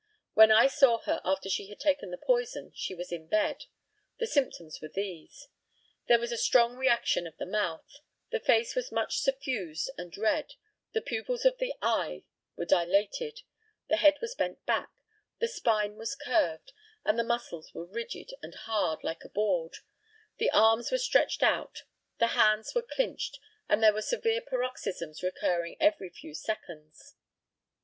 When I saw her after she had taken the poison she was in bed. The symptoms were these: There was a strong retraction of the mouth; the face was much suffused and red; the pupils of the eye were dilated; the head was bent back; the spine was curved; and the muscles were rigid and hard like a board; the arms were stretched out; the hands were clinched; and there were severe paroxysms recurring every few seconds.